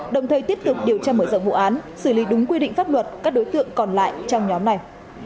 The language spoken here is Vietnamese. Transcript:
đồng thời tiếp tục điều tra mở rộng vụ án xử lý đúng quy định pháp luật các đối tượng còn lại trong nhóm này